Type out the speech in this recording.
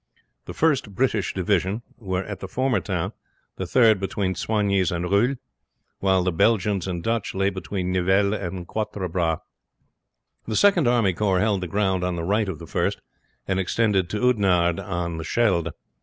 The first British division were at the former town, the third between Soignies and Roeulx, while the Belgians and Dutch lay between Nivelles and Quatre Bras. The second army corps held the ground on the right of the first, and extended to Oudenarde on the Scheldt.